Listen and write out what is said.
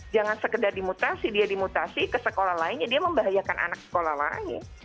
jangan sekedar dimutasi dia dimutasi ke sekolah lainnya dia membahayakan anak sekolah larangin